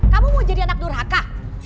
kamu mau jadi anak durhaka